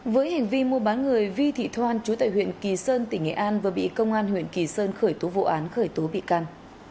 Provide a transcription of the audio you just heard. với hành vi mua bán người vi thị thoan chú tại huyện kỳ sơn tỉnh nghệ an vừa bị công an huyện kỳ sơn khởi tố vụ án khởi tố bị can